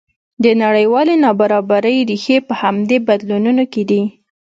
د نړیوالې نابرابرۍ ریښې په همدې بدلونونو کې دي.